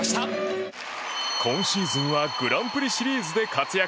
今シーズンはグランプリシリーズで活躍。